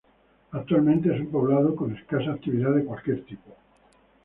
Actualmente, es un poblado con escasa actividad de cualquier tipo.